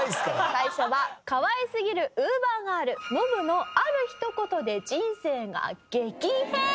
最初は「可愛すぎるウーバーガールノブのある一言で人生が激変！！」。